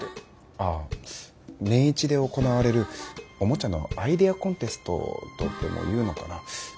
ああ年一で行われるおもちゃのアイデアコンテストとでも言うのかな。